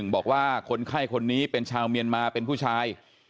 บอกว่าคนไข้คนนี้เป็นชาวเมียนมาเป็นผู้ชาย